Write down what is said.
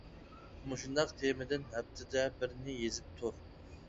مۇشۇنداق تېمىدىن ھەپتىدە بىرنى يېزىپ تۇر.